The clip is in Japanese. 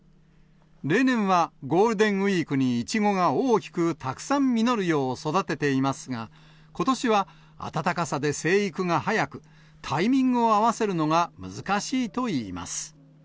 例年はゴールデンウィークにイチゴが大きくたくさん実るよう育てていますが、ことしは暖かさで生育が早く、タイミングを合わせるのが難しいといいます。